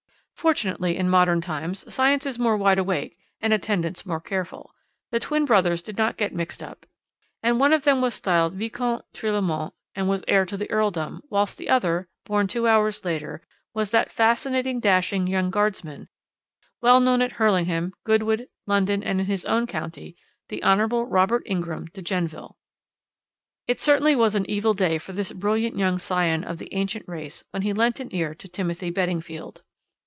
"Fortunately, in modern times, science is more wide awake, and attendants more careful. The twin brothers did not get mixed up, and one of them was styled Viscount Tirlemont, and was heir to the earldom, whilst the other, born two hours later, was that fascinating, dashing young Guardsman, well known at Hurlingham, Goodwood, London, and in his own county the Hon. Robert Ingram de Genneville. "It certainly was an evil day for this brilliant young scion of the ancient race when he lent an ear to Timothy Beddingfield.